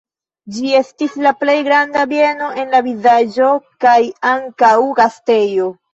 Ĝi estis la plej granda bieno en la vilaĝo kaj ankaŭ gastejo.